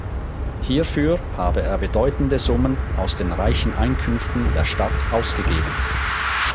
Hierfür habe er bedeutende Summen aus den reichen Einkünften der Stadt ausgegeben.